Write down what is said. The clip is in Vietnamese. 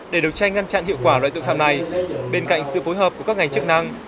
để đấu tranh ngăn chặn hiệu quả loại tội phạm này bên cạnh sự phối hợp của các ngành chức năng